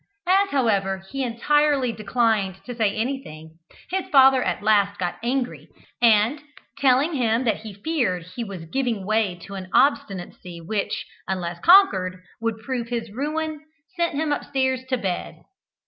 As, however, he entirely declined to say anything, his father at last got angry, and, telling him that he feared he was giving way to an obstinacy which, unless conquered, would prove his ruin, sent him upstairs to bed.